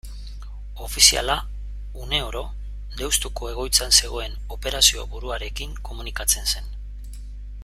Ofiziala une oro Deustuko egoitzan zegoen operazioburuarekin komunikatzen zen.